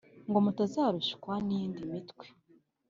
Ngo mutazarushwa n'iyindi mitwe